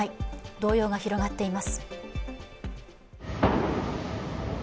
動揺が広がっています。